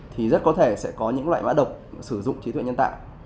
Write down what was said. thì rất có thể sẽ có những loại mã độc sử dụng trí tuệ nhân tạo